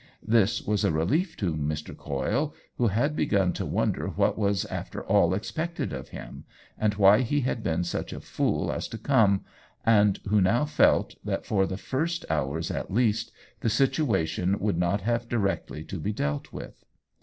This was a relief to Mr. Coyle, who had begun to wonder what was after all expected of him, and why he had been such a fool as to come, and who now felt that for the first hours at least the situation would not have directly to be dealt with.